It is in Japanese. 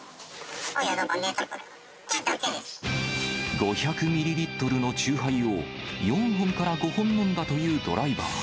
５００ミリリットルのチューハイを４本から５本飲んだというドライバー。